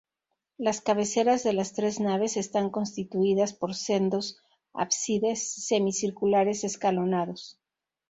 Las cabeceras de las tres naves están constituidas por sendos ábsides semicirculares escalonados.